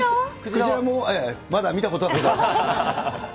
クジラもまだ見たことはございません。